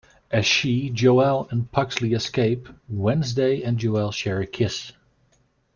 As she, Joel and Pugsley escape, Wednesday and Joel share a kiss.